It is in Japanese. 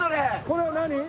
これは何？